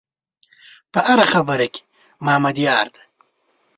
په هره خبره کې محمد یار دی.